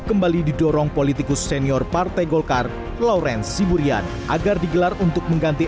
kembali didorong politikus senior partai golkar lawrence siburian agar digelar untuk mengganti